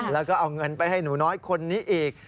แล้วก็เอาเงินไปให้หนูน้อยคนนี้อีก